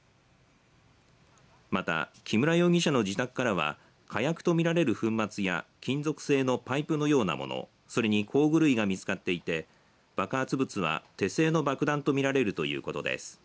また、木村容疑者の自宅からは火薬と見られる粉末や金属製のパイプのようなものそれに工具類が見つかっていて爆発物は手製の爆弾と見られるということです。